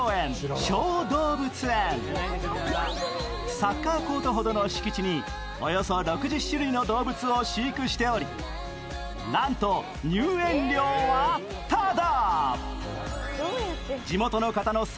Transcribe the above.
サッカーコートほどの敷地におよそ６０種類の動物を飼育しておりなんと入園料はただ！